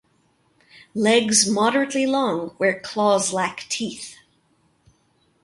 Legs moderately long where claws lack teeth.